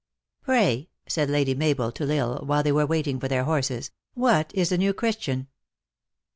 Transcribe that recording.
" Pray," said Lady Mabel to L Isle, while they were waiting for their horses, " what is a New Chris tian